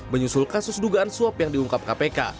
menyusul kasus dugaan suap yang diungkap kpk